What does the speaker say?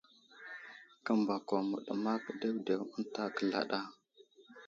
Kəmbako məɗəmak ɗewɗew ənta kəzlaɗ a.